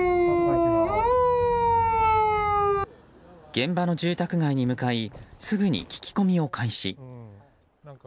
現場の住宅街に向かいすぐに聞き込みを開始。